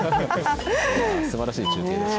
すばらしい中継でした。